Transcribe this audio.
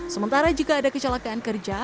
sementara jika ada kecelakaan kerja